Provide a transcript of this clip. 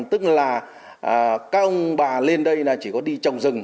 tức là các ông bà lên đây là chỉ có đi trồng rừng